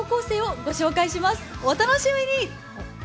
お楽しみに！